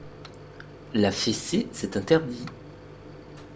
La fessée c'est interdit.